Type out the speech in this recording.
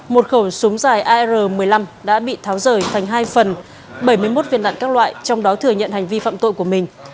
một khẩu súng dài ar một mươi năm đã bị tháo rời thành hai phần bảy mươi một viên đạn các loại trong đó thừa nhận hành vi phạm tội của mình